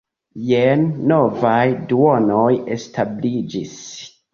Jen novaj duonoj establiĝis.